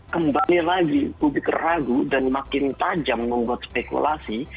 kembali lagi publik ragu dan makin tajam membuat spekulasi